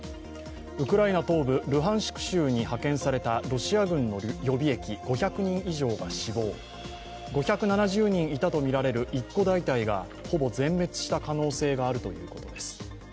ウクライナ東部ルハンシク州に派遣されたロシア軍予備役５００人以上が死亡、５７０人いたとみられる一個大隊がほぼ全滅した可能性があるということです。